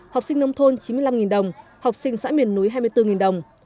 học sinh nông thôn chín mươi năm đồng học sinh xã miền núi hai mươi bốn đồng